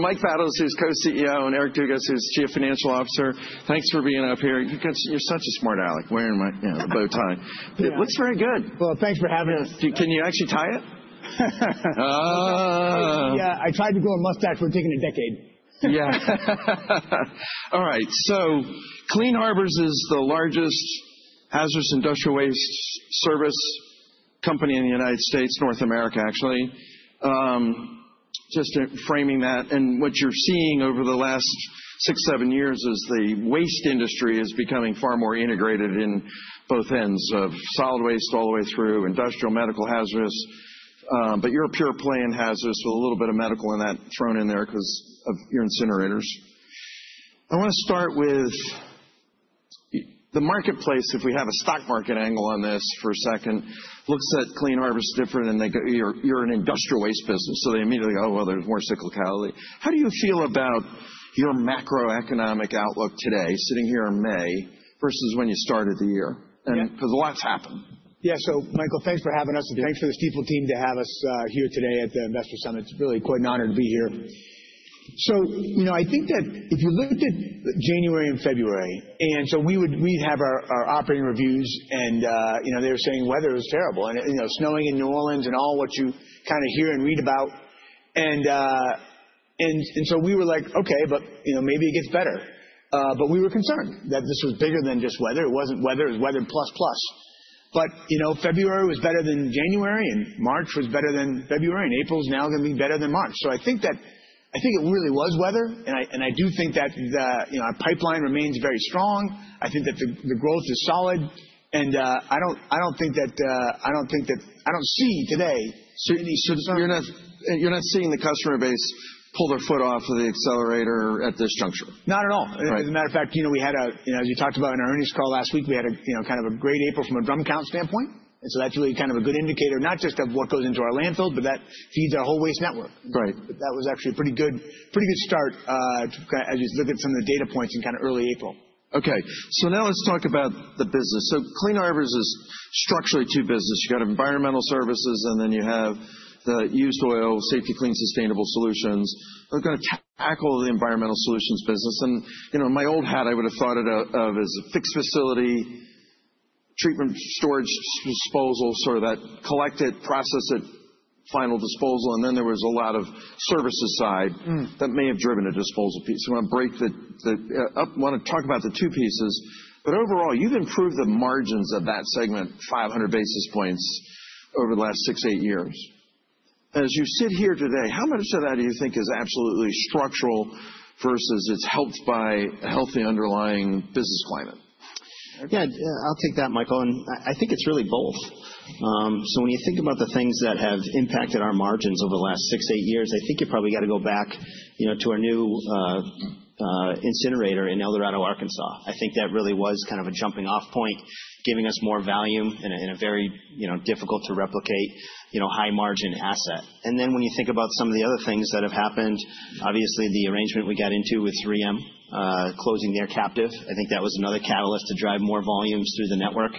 Mike Battles, who's Co-CEO, and Eric Dugas, who's Chief Financial Officer, thanks for being up here. You're such a smart alec. Wearing the bow tie. It looks very good. Thanks for having us. Can you actually tie it? Yeah, I tried to grow a mustache. We're taking a decade. Yeah. All right. Clean Harbors is the largest hazardous industrial waste service company in the United States, North America, actually. Just framing that. What you're seeing over the last six, seven years is the waste industry is becoming far more integrated in both ends of solid waste, all the way through industrial, medical hazardous. You're a pure play in hazardous with a little bit of medical in that thrown in there because of your incinerators. I want to start with the marketplace. If we have a stock market angle on this for a second, looks at Clean Harbors different. You're an industrial waste business. They immediately go, oh, well, there's more cyclicality. How do you feel about your macroeconomic outlook today, sitting here in May, versus when you started the year? Because a lot's happened. Yeah. Michael, thanks for having us. And thanks for the Stifel team to have us here today at the Investor Summit. It's really quite an honor to be here. I think that if you looked at January and February, we'd have our operating reviews. They were saying weather was terrible, and snowing in New Orleans and all what you kind of hear and read about. We were like, OK, but maybe it gets better. We were concerned that this was bigger than just weather. It wasn't weather. It was weather plus plus. February was better than January, and March was better than February, and April is now going to be better than March. I think that it really was weather. I do think that our pipeline remains very strong. I think that the growth is solid. I don't think that I don't see today certainly. You're not seeing the customer base pull their foot off of the accelerator at this juncture? Not at all. As a matter of fact, you know we had a, as you talked about in our earnings call last week, we had a kind of a great April from a drum count standpoint. That is really kind of a good indicator, not just of what goes into our landfill, but that feeds our whole waste network. That was actually a pretty good start as you look at some of the data points in kind of early April. OK. Now let's talk about the business. Clean Harbors is structurally two businesses. You've got Environmental Services, and then you have the used oil Safety-Kleen Sustainable Solutions. They're going to tackle the environmental solutions business. In my old hat, I would have thought of it as a fixed facility, treatment, storage, disposal, sort of that collect it, process it, final disposal. There was a lot of services side that may have driven a disposal piece. I want to break that up. I want to talk about the two pieces. Overall, you've improved the margins of that segment 500 basis points over the last six to eight years. As you sit here today, how much of that do you think is absolutely structural versus it's helped by a healthy underlying business climate? Yeah, I'll take that, Michael. I think it's really both. When you think about the things that have impacted our margins over the last six, eight years, I think you probably got to go back to our new incinerator in El Dorado, Arkansas. I think that really was kind of a jumping-off point, giving us more value in a very difficult to replicate high-margin asset. When you think about some of the other things that have happened, obviously the arrangement we got into with 3M closing their captive, I think that was another catalyst to drive more volumes through the network.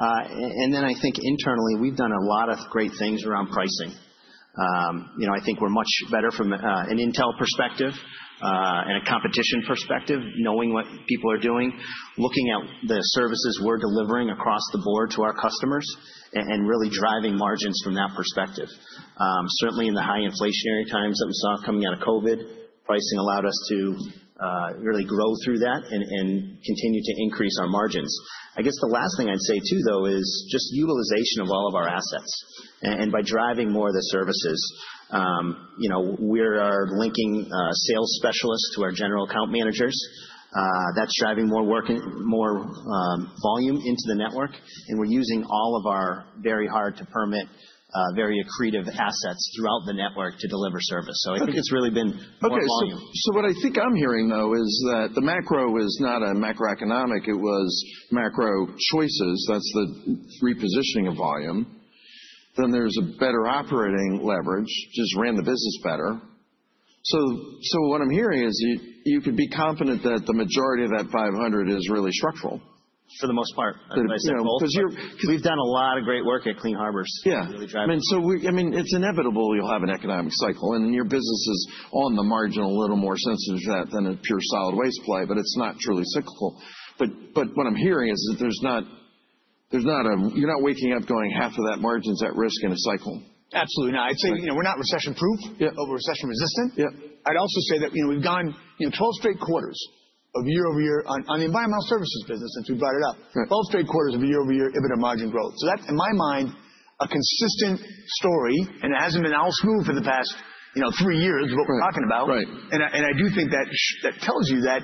I think internally, we've done a lot of great things around pricing. I think we're much better from an intel perspective and a competition perspective, knowing what people are doing, looking at the services we're delivering across the board to our customers, and really driving margins from that perspective. Certainly in the high inflationary times that we saw coming out of COVID, pricing allowed us to really grow through that and continue to increase our margins. I guess the last thing I'd say too, though, is just utilization of all of our assets. By driving more of the services, we are linking sales specialists to our general account managers. That's driving more work and more volume into the network. We're using all of our very hard-to-permit, very accretive assets throughout the network to deliver service. I think it's really been more volume. What I think I'm hearing, though, is that the macro was not a macroeconomic. It was macro choices. That's the repositioning of volume. Then there's a better operating leverage, just ran the business better. What I'm hearing is you could be confident that the majority of that $500 is really structural. For the most part. For the most part. We've done a lot of great work at Clean Harbors. Yeah. I mean, it's inevitable you'll have an economic cycle. And then your business is on the margin a little more sensitive to that than a pure solid waste play. But it's not truly cyclical. What I'm hearing is that there's not a you're not waking up going, half of that margin's at risk in a cycle. Absolutely not. I'd say we're not recession-proof, over-recession-resistant. I'd also say that we've gone 12 straight quarters of year-over-year on the Environmental Services business, since we brought it up, 12 straight quarters of year-over-year EBITDA margin growth. That's, in my mind, a consistent story. It hasn't been all smooth for the past three years of what we're talking about. I do think that tells you that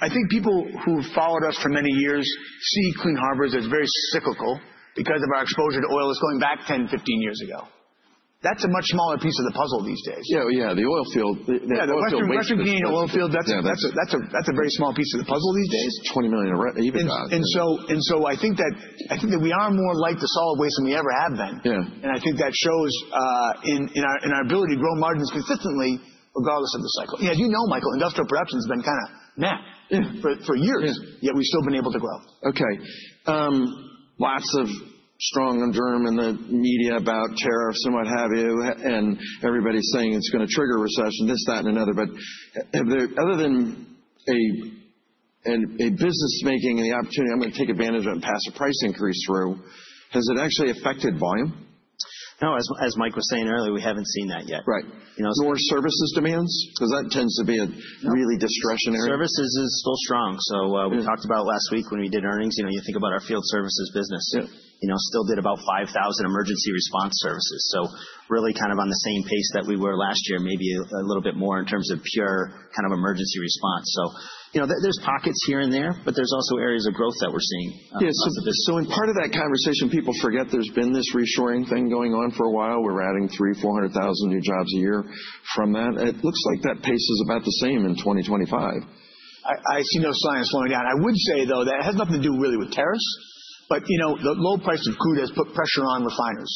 I think people who have followed us for many years see Clean Harbors as very cyclical because of our exposure to oil that's going back 10, 15 years ago. That's a much smaller piece of the puzzle these days. Yeah, yeah, the oil field. Yeah, the Western Canadian oil field, that's a very small piece of the puzzle these days. $20 million EBITDA. I think that we are more like the solid waste than we ever have been. I think that shows in our ability to grow margins consistently, regardless of the cycle. Yeah, as you know, Michael, industrial production has been kind of meh for years, yet we've still been able to grow. OK. Lots of strong drum in the media about tariffs and what have you. Everybody's saying it's going to trigger a recession, this, that, and another. Other than a business-making and the opportunity, I'm going to take advantage of it and pass a price increase through, has it actually affected volume? No, as Mike was saying earlier, we haven't seen that yet. Right. More services demands? Because that tends to be a really discretionary. Services is still strong. We talked about last week when we did earnings, you think about our field services business. Still did about 5,000 emergency response services. Really kind of on the same pace that we were last year, maybe a little bit more in terms of pure kind of emergency response. There are pockets here and there, but there are also areas of growth that we are seeing. Yeah, so in part of that conversation, people forget there's been this reshoring thing going on for a while. We were adding 300,000-400,000 new jobs a year from that. It looks like that pace is about the same in 2025. I see no sign of slowing down. I would say, though, that has nothing to do really with tariffs. The low price of crude has put pressure on refiners,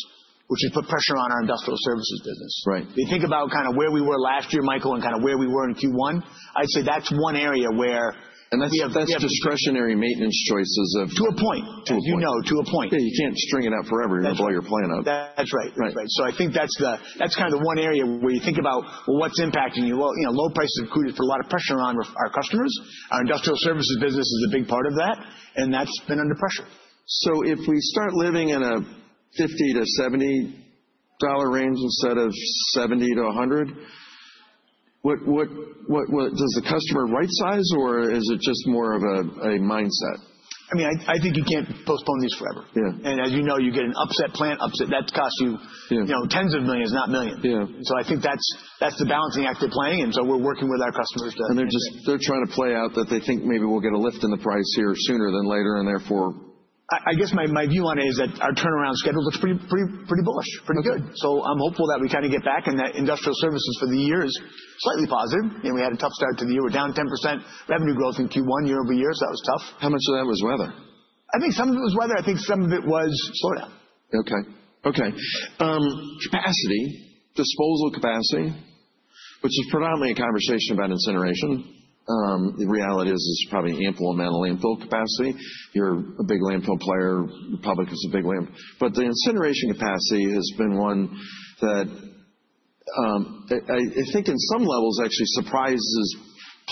which has put pressure on our industrial services business. If you think about kind of where we were last year, Michael, and kind of where we were in Q1, I'd say that's one area where we have. That's discretionary maintenance choices of. To a point. To a point. To a point. Yeah, you can't string it out forever. You have all your playing out. That's right. That's right. I think that's kind of the one area where you think about, well, what's impacting you? Well, low price of crude has put a lot of pressure on our customers. Our industrial services business is a big part of that. And that's been under pressure. If we start living in a $50-$70 range instead of $70-$100, does the customer right-size, or is it just more of a mindset? I mean, I think you can't postpone these forever. And as you know, you get an upset plant, that costs you tens of millions, not millions. I think that's the balancing act of playing. And so we're working with our customers to. They're trying to play out that they think maybe we'll get a lift in the price here sooner than later, and therefore. I guess my view on it is that our turnaround schedule looks pretty bullish, pretty good. I am hopeful that we kind of get back. That industrial services for the year is slightly positive. We had a tough start to the year. We are down 10% revenue growth in Q1 year over year. That was tough. How much of that was weather? I think some of it was weather. I think some of it was slowdown. OK. OK. Capacity, disposal capacity, which is predominantly a conversation about incineration. The reality is there's probably an ample amount of landfill capacity. You're a big landfill player. Republic is a big landfill. The incineration capacity has been one that I think in some levels actually surprises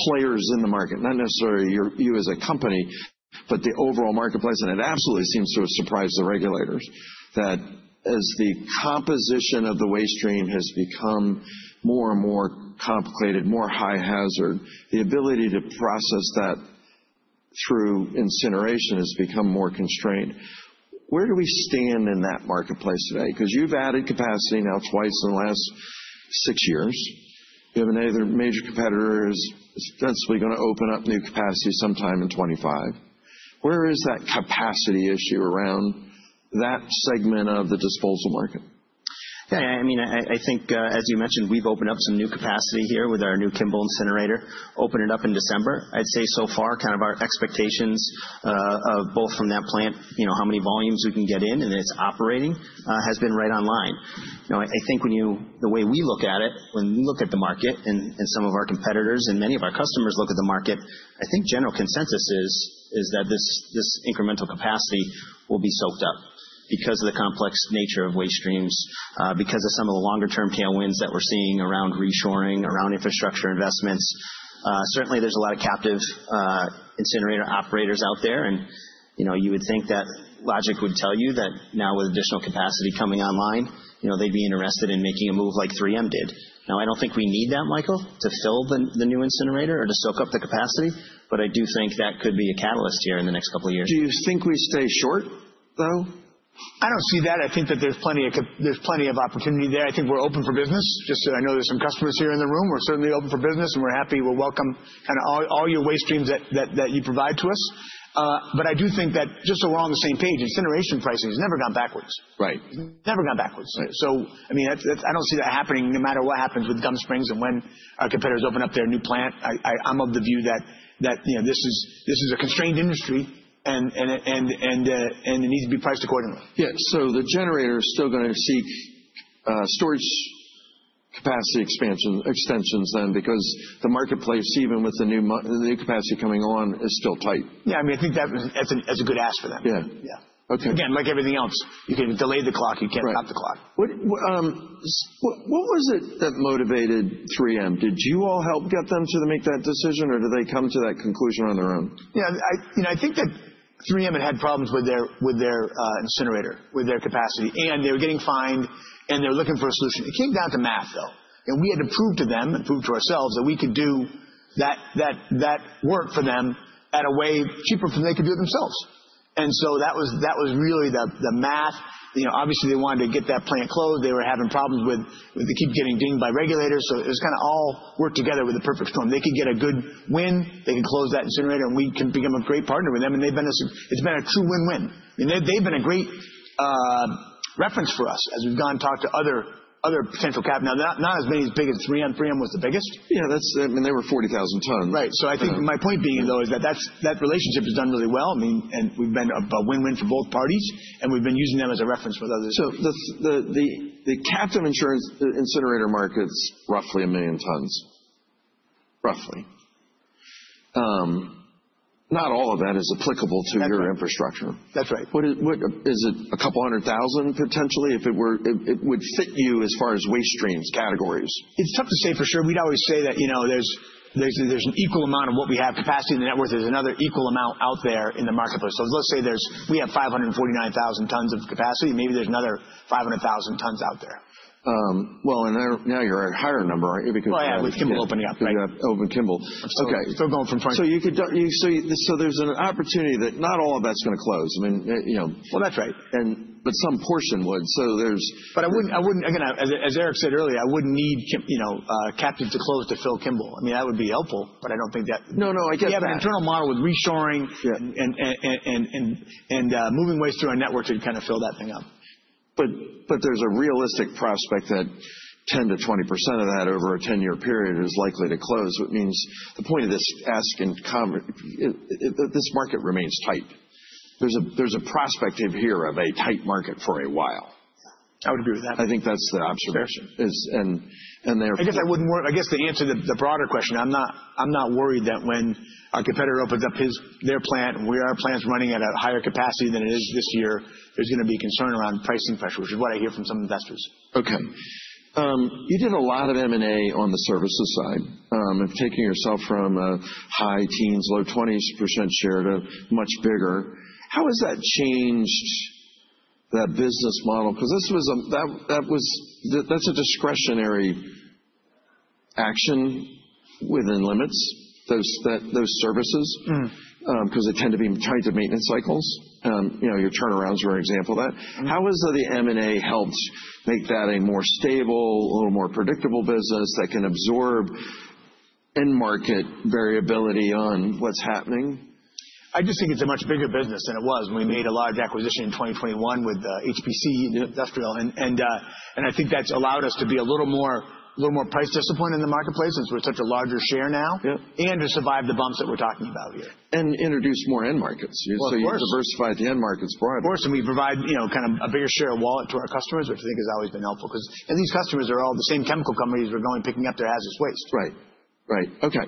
players in the market, not necessarily you as a company, but the overall marketplace. It absolutely seems to have surprised the regulators that as the composition of the waste stream has become more and more complicated, more high hazard, the ability to process that through incineration has become more constrained. Where do we stand in that marketplace today? Because you've added capacity now twice in the last six years. You have another major competitor who's ostensibly going to open up new capacity sometime in 2025. Where is that capacity issue around that segment of the disposal market? Yeah, I mean, I think, as you mentioned, we've opened up some new capacity here with our new Kimball incinerator, opened it up in December. I'd say so far, kind of our expectations of both from that plant, how many volumes we can get in and it's operating, has been right on line. I think the way we look at it, when we look at the market and some of our competitors and many of our customers look at the market, I think general consensus is that this incremental capacity will be soaked up because of the complex nature of waste streams, because of some of the longer-term tailwinds that we're seeing around reshoring, around infrastructure investments. Certainly, there's a lot of captive incinerator operators out there. You would think that logic would tell you that now with additional capacity coming online, they'd be interested in making a move like 3M did. I don't think we need that, Michael, to fill the new incinerator or to soak up the capacity. I do think that could be a catalyst here in the next couple of years. Do you think we stay short, though? I don't see that. I think that there's plenty of opportunity there. I think we're open for business. I know there's some customers here in the room. We're certainly open for business. We're happy. We welcome kind of all your waste streams that you provide to us. I do think that just so we're on the same page, incineration pricing has never gone backwards. It's never gone backwards. I mean, I don't see that happening no matter what happens with Gum Springs and when our competitors open up their new plant. I'm of the view that this is a constrained industry, and it needs to be priced accordingly. Yeah, so the generator is still going to seek storage capacity extensions then because the marketplace, even with the new capacity coming on, is still tight. Yeah, I mean, I think that's a good ask for them. Yeah, again, like everything else, you can delay the clock. You can't stop the clock. What was it that motivated 3M? Did you all help get them to make that decision, or did they come to that conclusion on their own? Yeah, I think that 3M had had problems with their incinerator, with their capacity. They were getting fined, and they were looking for a solution. It came down to math, though. We had to prove to them and prove to ourselves that we could do that work for them at a way cheaper than they could do it themselves. That was really the math. Obviously, they wanted to get that plant closed. They were having problems with it keep getting dinged by regulators. It was kind of all worked together with a perfect storm. They could get a good win. They could close that incinerator, and we can become a great partner with them. It's been a true win-win. They've been a great reference for us as we've gone and talked to other potential cap. Now, not as big as 3M. 3M was the biggest. Yeah, I mean, they were 40,000 tons. Right. I think my point being, though, is that that relationship has done really well. We've been a win-win for both parties. We've been using them as a reference with others. The captive incinerator market's roughly a million tons, roughly. Not all of that is applicable to your infrastructure. That's right. Is it a couple hundred thousand, potentially, if it would fit you as far as waste streams categories? It's tough to say for sure. We'd always say that there's an equal amount of what we have capacity in the net worth. There's another equal amount out there in the marketplace. Let's say we have 549,000 tons of capacity. Maybe there's another 500,000 tons out there. Now you're at a higher number, aren't you? Yeah, with Kimball opening up. You have opened Kimball. Going from. There's an opportunity that not all of that's going to close. I mean. That's right. Some portion would. So there's. Again, as Eric said earlier, I wouldn't need captive to close to fill Kimball. I mean, that would be helpful. I don't think that. No, no. I guess. We have an internal model with reshoring and moving waste through our network to kind of fill that thing up. There is a realistic prospect that 10%-20% of that over a 10-year period is likely to close. Which means the point of this ask and comment, this market remains tight. There is a prospect here of a tight market for a while. I would agree with that. I think that's the observation. Therefore. I guess I wouldn't worry. I guess to answer the broader question, I'm not worried that when our competitor opens up their plant and our plant's running at a higher capacity than it is this year, there's going to be concern around pricing pressure, which is what I hear from some investors. OK. You did a lot of M&A on the services side, taking yourself from a high teens, low 20% share to much bigger. How has that changed that business model? Because that's a discretionary action within limits, those services, because they tend to be tied to maintenance cycles. Your turnarounds were an example of that. How has the M&A helped make that a more stable, a little more predictable business that can absorb end market variability on what's happening? I just think it's a much bigger business than it was when we made a large acquisition in 2021 with HPC Industrial. I think that's allowed us to be a little more price disciplined in the marketplace since we're such a larger share now and to survive the bumps that we're talking about here. Introduce more end markets. Of course. You've diversified the end markets broadly. Of course. We provide kind of a bigger share of wallet to our customers, which I think has always been helpful. Because these customers are all the same chemical companies who are going and picking up their hazardous waste. Right. Right. OK.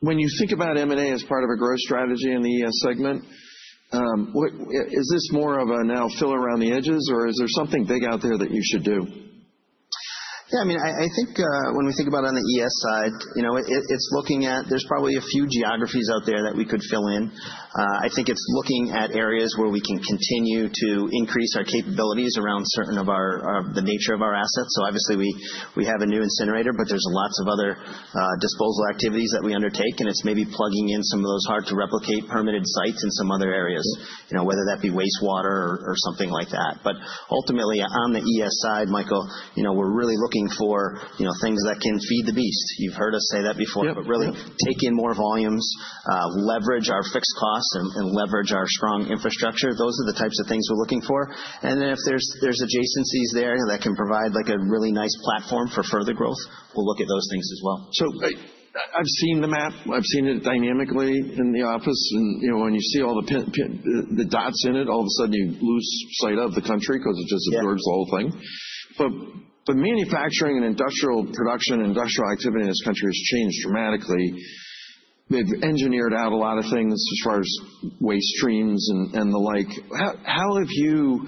When you think about M&A as part of a growth strategy in the ES segment, is this more of a now fill around the edges, or is there something big out there that you should do? Yeah, I mean, I think when we think about it on the ES side, it's looking at there's probably a few geographies out there that we could fill in. I think it's looking at areas where we can continue to increase our capabilities around certain of the nature of our assets. Obviously, we have a new incinerator, but there's lots of other disposal activities that we undertake. It's maybe plugging in some of those hard-to-replicate permitted sites in some other areas, whether that be wastewater or something like that. Ultimately, on the ES side, Michael, we're really looking for things that can feed the beast. You've heard us say that before, but really take in more volumes, leverage our fixed costs, and leverage our strong infrastructure. Those are the types of things we're looking for. If there's adjacencies there that can provide a really nice platform for further growth, we'll look at those things as well. I've seen the map. I've seen it dynamically in the office. And when you see all the dots in it, all of a sudden you lose sight of the country because it just absorbs the whole thing. But manufacturing and industrial production, industrial activity in this country has changed dramatically. They've engineered out a lot of things as far as waste streams and the like. How have you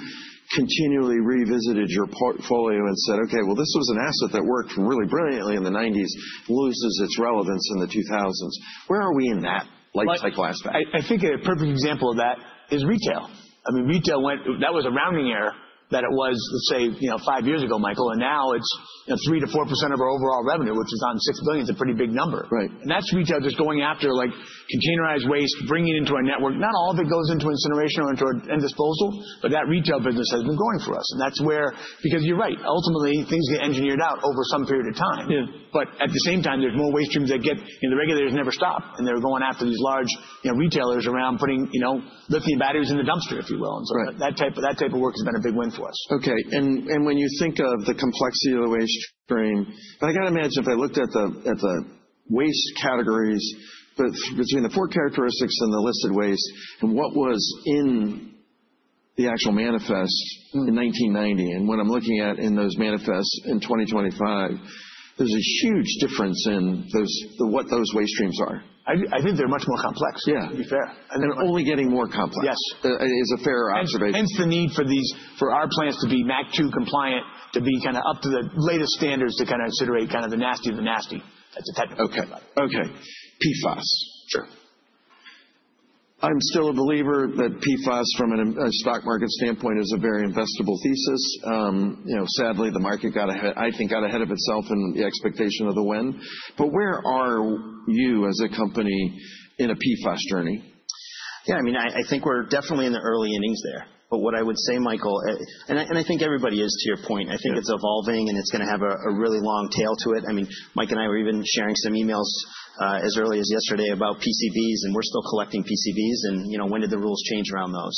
continually revisited your portfolio and said, OK, well, this was an asset that worked really brilliantly in the 1990s, loses its relevance in the 2000s? Where are we in that life cycle aspect? I think a perfect example of that is retail. I mean, retail, that was a rounding error that it was, let's say, five years ago, Michael. Now it's 3%-4% of our overall revenue, which is on $6 billion. It's a pretty big number. That's retail just going after containerized waste, bringing it into our network. Not all of it goes into incineration or into end disposal, but that retail business has been growing for us. That's where, because you're right, ultimately, things get engineered out over some period of time. At the same time, there's more waste streams that get the regulators never stop. They're going after these large retailers around putting lithium batteries in the dumpster, if you will. That type of work has been a big win for us. OK. When you think of the complexity of the waste stream, I got to imagine if I looked at the waste categories between the four characteristics and the listed waste and what was in the actual manifest in 1990 and what I'm looking at in those manifests in 2025, there's a huge difference in what those waste streams are. I think they're much more complex, to be fair. Only getting more complex is a fair observation. Hence the need for our plants to be MACT compliant, to be kind of up to the latest standards to kind of incinerate kind of the nasty of the nasty. That's a technical thing about it. OK. PFAS. Sure. I'm still a believer that PFAS, from a stock market standpoint, is a very investable thesis. Sadly, the market, I think, got ahead of itself in the expectation of the win. Where are you as a company in a PFAS journey? Yeah, I mean, I think we're definitely in the early innings there. What I would say, Michael, and I think everybody is, to your point, I think it's evolving. It's going to have a really long tail to it. I mean, Mike and I were even sharing some emails as early as yesterday about PCBs. We're still collecting PCBs. When did the rules change around those?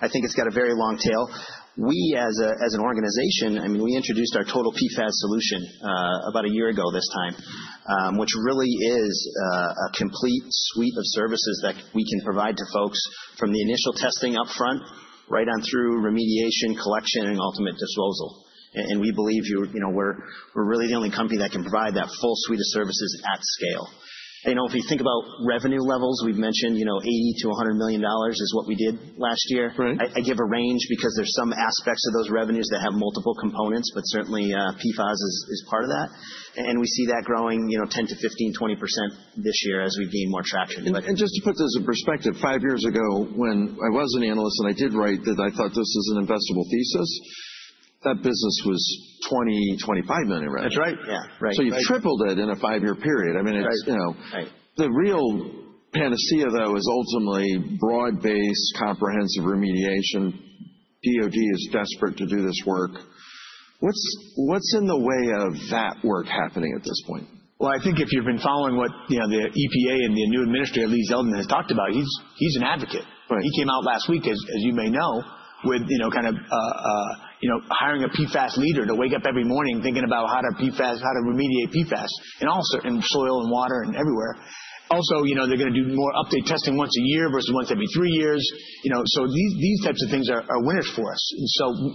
I think it's got a very long tail. We, as an organization, I mean, we introduced our total PFAS solution about a year ago this time, which really is a complete suite of services that we can provide to folks from the initial testing upfront, right on through remediation, collection, and ultimate disposal. We believe we're really the only company that can provide that full suite of services at scale. If you think about revenue levels, we've mentioned $80 million-$100 million is what we did last year. I give a range because there's some aspects of those revenues that have multiple components. Certainly, PFAS is part of that. We see that growing 10%-15%, 20% this year as we gain more traction. Just to put this in perspective, five years ago, when I was an analyst and I did write that I thought this was an investable thesis, that business was $20 million-$25 million revenue. That's right. Yeah. You've tripled it in a five-year period. I mean, the real panacea, though, is ultimately broad-based, comprehensive remediation. DOD is desperate to do this work. What's in the way of that work happening at this point? I think if you've been following what the EPA and the new administrator, Lee Zeldin, has talked about, he's an advocate. He came out last week, as you may know, with kind of hiring a PFAS leader to wake up every morning thinking about how to remediate PFAS in soil and water and everywhere. Also, they're going to do more update testing once a year versus once every three years. These types of things are winners for us.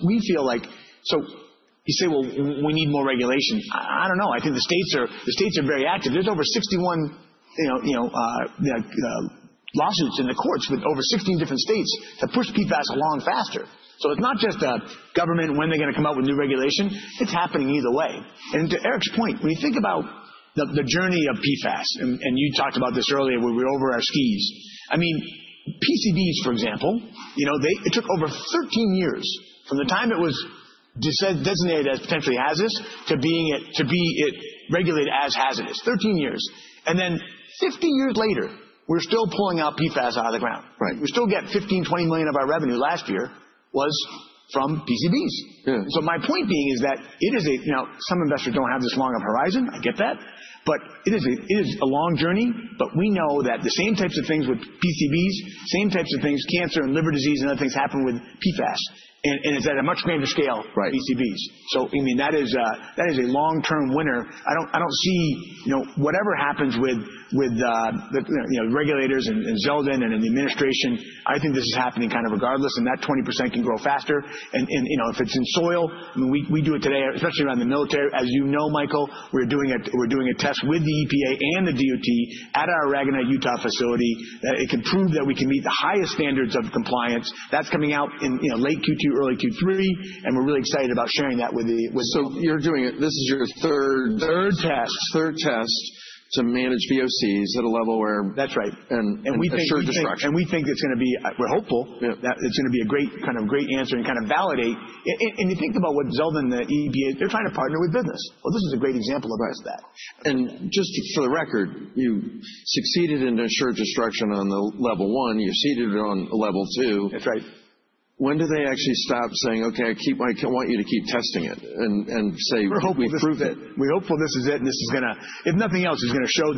We feel like you say, well, we need more regulation. I don't know. I think the states are very active. There are over 61 lawsuits in the courts with over 16 different states to push PFAS along faster. It's not just government, when they're going to come up with new regulation. It's happening either way. To Eric's point, when you think about the journey of PFAS, and you talked about this earlier when we were over our skis, I mean, PCBs, for example, it took over 13 years from the time it was designated as potentially hazardous to be regulated as hazardous. Thirteen years. And then 15 years later, we're still pulling out PFAS out of the ground. We still get $15 million-$20 million of our revenue last year was from PCBs. My point being is that some investors don't have this long of a horizon. I get that. It is a long journey. We know that the same types of things with PCBs, same types of things, cancer and liver disease and other things happen with PFAS. It's at a much greater scale with PCBs. I mean, that is a long-term winner. I don't see whatever happens with regulators and Zeldin and the administration, I think this is happening kind of regardless. That 20% can grow faster. If it's in soil, we do it today, especially around the military. As you know, Michael, we're doing a test with the EPA and the DOD at our Aragonite, Utah facility that can prove that we can meet the highest standards of compliance. That's coming out in late Q2, early Q3. We're really excited about sharing that with you. You're doing it. This is your third. Third test. Third test to manage VOCs at a level where. That's right. Assured destruction. We think it's going to be, we're hopeful that it's going to be a great kind of great answer and kind of validate. You think about what Zeldin, the EPA, they're trying to partner with business. This is a great example of that. Just for the record, you succeeded in assured destruction on the level one. You seeded it on level two. That's right. When do they actually stop saying, OK, I want you to keep testing it and say? We're hoping to prove it. We're hopeful this is it. This is going to, if nothing else, show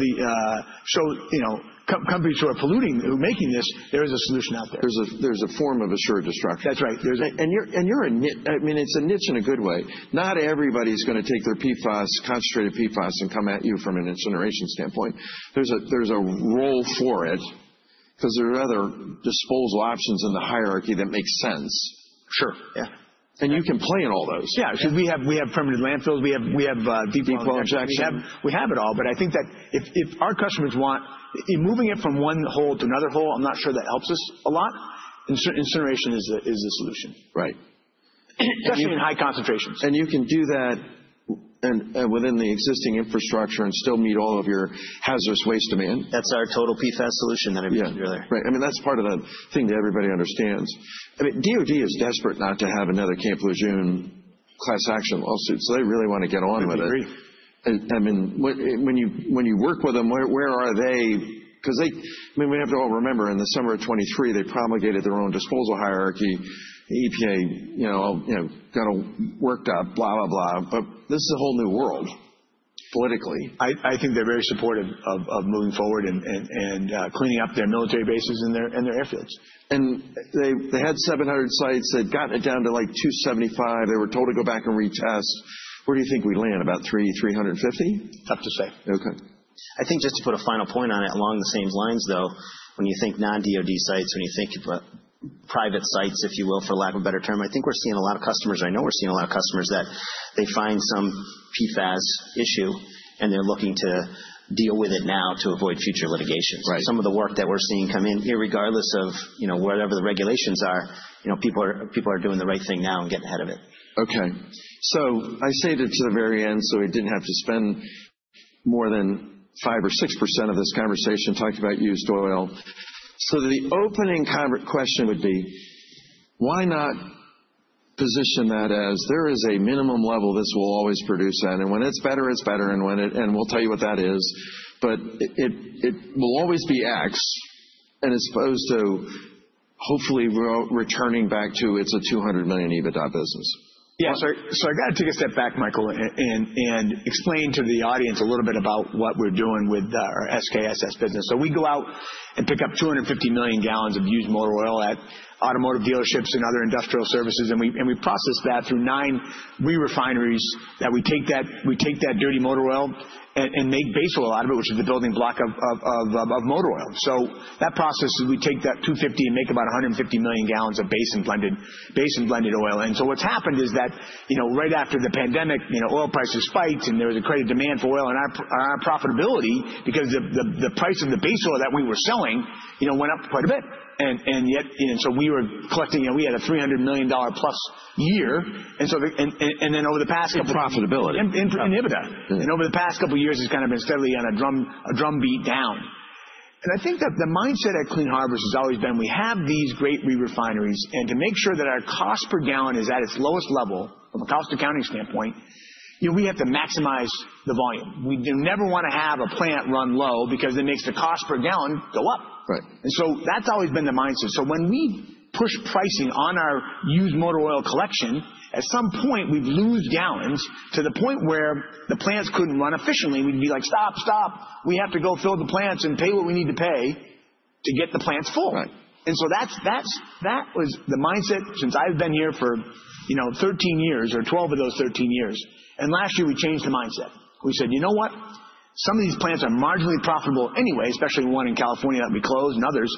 companies who are polluting, who are making this, there is a solution out there. There's a form of assured destruction. That's right. I mean, it's a niche in a good way. Not everybody's going to take their PFAS, concentrated PFAS, and come at you from an incineration standpoint. There's a role for it because there are other disposal options in the hierarchy that make sense. Sure. Yeah. You can play in all those. Yeah. We have permitted landfills. We have deep well. Deep well injection. We have it all. I think that if our customers want moving it from one hole to another hole, I'm not sure that helps us a lot. Incineration is the solution. Right. Especially in high concentrations. You can do that within the existing infrastructure and still meet all of your hazardous waste demand. That's our total PFAS solution that I mentioned earlier. Yeah. Right. I mean, that's part of the thing that everybody understands. I mean, DOD is desperate not to have another Camp Lejeune class action lawsuit. So they really want to get on with it. I agree. I mean, when you work with them, where are they? Because I mean, we have to all remember in the summer of 2023, they promulgated their own disposal hierarchy. The EPA got it worked up, blah, blah, blah. This is a whole new world politically. I think they're very supportive of moving forward and cleaning up their military bases and their airfields. They had 700 sites. They've gotten it down to like 275. They were told to go back and retest. Where do you think we land? About 300-350? Tough to say. OK. I think just to put a final point on it along the same lines, though, when you think non-DOD sites, when you think about private sites, if you will, for lack of a better term, I think we're seeing a lot of customers. I know we're seeing a lot of customers that they find some PFAS issue. And they're looking to deal with it now to avoid future litigations. Some of the work that we're seeing come in, irregardless of whatever the regulations are, people are doing the right thing now and getting ahead of it. OK. I say that to the very end so we did not have to spend more than 5% or 6% of this conversation talking about used oil. The opening question would be, why not position that as there is a minimum level this will always produce at? When it is better, it is better. We will tell you what that is. It will always be X. It is supposed to hopefully return back to it is a $200 million EBITDA business. Yeah. I got to take a step back, Michael, and explain to the audience a little bit about what we're doing with our SKSS business. We go out and pick up 250 million gallons of used motor oil at automotive dealerships and other industrial services. We process that through nine re-refineries that we take that dirty motor oil and make base oil out of it, which is the building block of motor oil. That process, we take that 250 and make about 150 million gallons of base and blended oil. What's happened is that right after the pandemic, oil prices spiked. There was a crater demand for oil and our profitability because the price of the base oil that we were selling went up quite a bit. We were collecting, we had a $300 million plus year. Over the past couple. Profitability. EBITDA. Over the past couple of years, it's kind of been steadily on a drumbeat down. I think that the mindset at Clean Harbors has always been we have these great re-refineries. To make sure that our cost per gallon is at its lowest level from a cost accounting standpoint, we have to maximize the volume. We never want to have a plant run low because it makes the cost per gallon go up. That's always been the mindset. When we push pricing on our used motor oil collection, at some point, we've lost gallons to the point where the plants couldn't run efficiently. We'd be like, stop, stop. We have to go fill the plants and pay what we need to pay to get the plants full. That was the mindset since I've been here for 13 years or 12 of those 13 years. Last year, we changed the mindset. We said, you know what? Some of these plants are marginally profitable anyway, especially one in California that we closed and others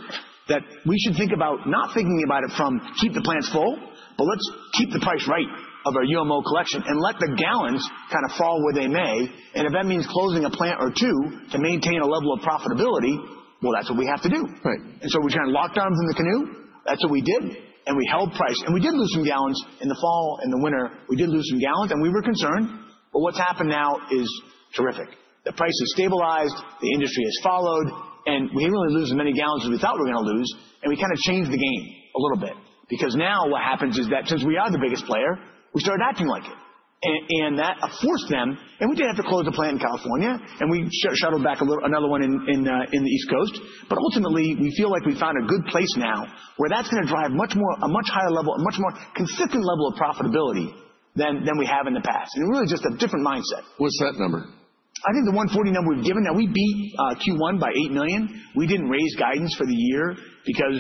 that we should think about not thinking about it from keep the plants full, but let's keep the price right of our UMO collection and let the gallons kind of fall where they may. If that means closing a plant or two to maintain a level of profitability, that's what we have to do. We kind of locked arms in the canoe. That's what we did. We held price. We did lose some gallons in the fall and the winter. We did lose some gallons. We were concerned. What's happened now is terrific. The price has stabilized. The industry has followed. We did not really lose as many gallons as we thought we were going to lose. We kind of changed the game a little bit because now what happens is that since we are the biggest player, we started acting like it. That forced them, and we did have to close a plant in California. We shuttled back another one on the East Coast. Ultimately, we feel like we found a good place now where that is going to drive a much higher level, a much more consistent level of profitability than we have in the past. Really just a different mindset. What's that number? I think the $140 million we've given now, we beat Q1 by $8 million. We didn't raise guidance for the year because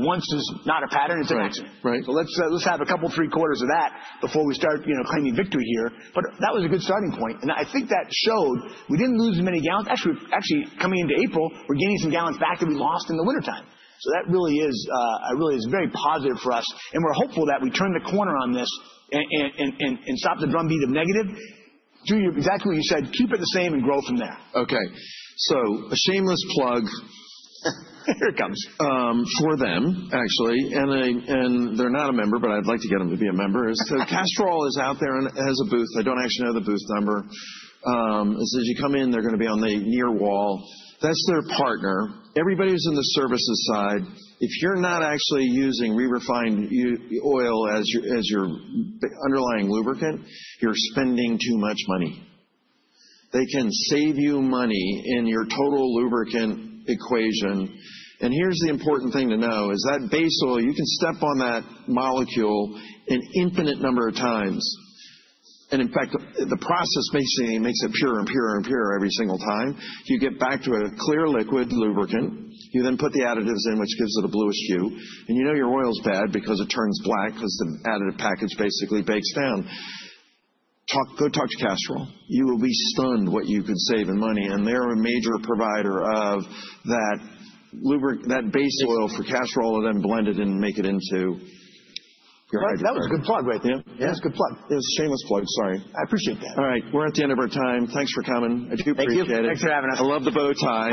once is not a pattern. It's a mixture. Let's have a couple three-quarters of that before we start claiming victory here. That was a good starting point. I think that showed we didn't lose as many gallons. Actually, coming into April, we're gaining some gallons back that we lost in the wintertime. That really is very positive for us. We're hopeful that we turn the corner on this and stop the drumbeat of negative. Exactly what you said. Keep it the same and grow from there. OK. So a shameless plug. Here it comes. For them, actually. They're not a member, but I'd like to get them to be a member. Castrol is out there and has a booth. I don't actually know the booth number. As soon as you come in, they're going to be on the near wall. That's their partner. Everybody who's in the services side, if you're not actually using re-refined oil as your underlying lubricant, you're spending too much money. They can save you money in your total lubricant equation. Here's the important thing to know is that base oil, you can step on that molecule an infinite number of times. In fact, the process basically makes it purer and purer and purer every single time. You get back to a clear liquid lubricant. You then put the additives in, which gives it a bluish hue. You know your oil's bad because it turns black because the additive package basically bakes down. Go talk to Castrol. You will be stunned what you could save in money. They are a major provider of that base oil for Castrol and then blend it and make it into your hydrogen carbon. That was a good plug, That was a good plug. It was a shameless plug. Sorry. I appreciate that. All right. We're at the end of our time. Thanks for coming. I do appreciate it. Thanks for having us. I love the bow tie.